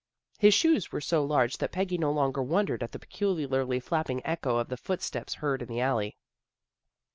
His shoes were so large that Peggy no longer wondered at the peculiar flapping echo of the footsteps heard in the alley.